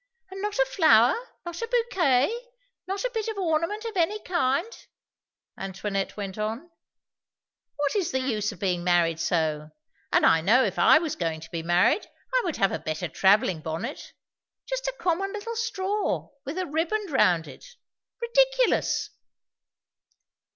"And not a flower; not a bouquet; not a bit of ornament of any kind!" Antoinette went on. "What is the use of being married so? And I know if I was going to be married, I would have a better travelling bonnet. Just a common little straw, with a ribband round it! Ridiculous."